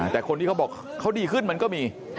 แต่คนที่เขาบอกเขาดีขึ้นมันก็มี